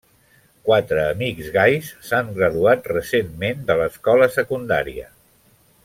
Quatre amics gais s'han graduat recentment de l'escola secundària.